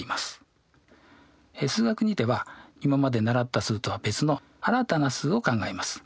「数学Ⅱ」では今まで習った数とは別の新たな数を考えます。